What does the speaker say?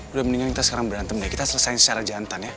udah mendingan kita sekarang berantem deh kita selesaikan secara jantan ya